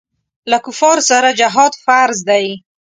له کفارو سره جهاد فرض دی.